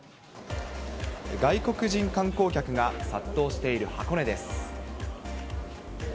外国人観光客が殺到している箱根です。